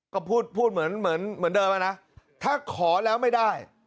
ก็พูดเหมือนเดิมนะถ้าขอแล้วไม่ได้